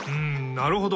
なるほど。